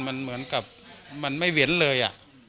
มันเหมือนกับมันไม่เว้นเลย